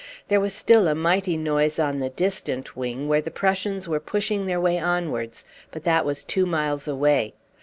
There was still a mighty noise on the distant wing, where the Prussians were pushing their way onwards, but that was two miles away.